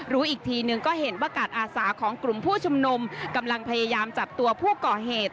รู้อีกทีนึงก็เห็นว่าการอาสาของกลุ่มผู้ชุมนุมกำลังพยายามจับตัวผู้ก่อเหตุ